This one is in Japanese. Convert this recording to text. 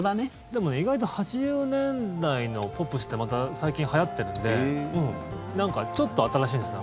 でも、意外と８０年代のポップスってまた最近、はやってるんでなんか、ちょっと新しいんです。